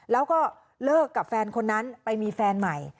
แล้วก็เลิกกับแฟนคนนั้นไปมีแฟนใหม่